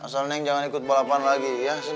asal neng jangan ikut balapan lagi ya sini